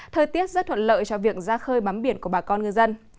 thời tiết rất thuận lợi cho việc ra khơi bám biển của bà con ngư dân